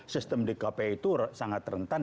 sistem di kpi itu sangat rentan